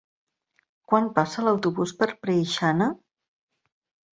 Quan passa l'autobús per Preixana?